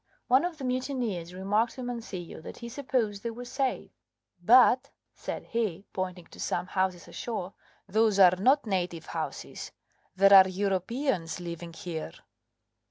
One of the mutineers remarked to Mancillo that he supposed they were safe, "But," said he, pointing to some houses ashore, "those are not native houses; there are Europeans living here."